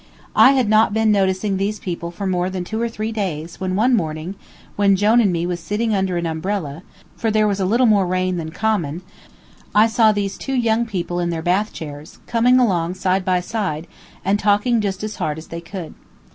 I had not been noticing these people for more than two or three days when one morning, when Jone and me was sitting under an umbrella, for there was a little more rain than common, I saw these two young people in their bath chairs, coming along side by side, and talking just as hard as they could.